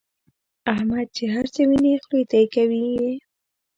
احمد چې هرڅه ویني خولې ته کوي یې.